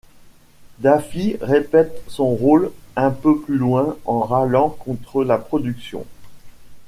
Daffy répète son rôle un peu plus loin en râlant contre la production.